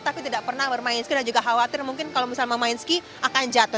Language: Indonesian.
tapi tidak pernah bermain skil dan juga khawatir mungkin kalau misalnya mau main ski akan jatuh